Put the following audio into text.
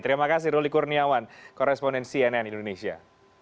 terima kasih ruli kurniawan koresponden cnn indonesia